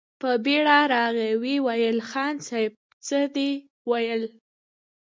په بېړه راغی، ويې ويل: خان صيب! څه دې ويل؟